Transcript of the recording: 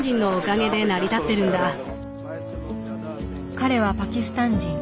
彼はパキスタン人。